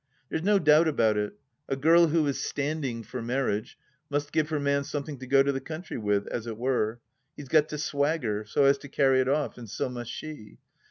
There's no doubt about it, a girl who is "standing" for marriage must give her man something to go to the country with, as it were. He has got to swagger, so as to carry it off, and so must she.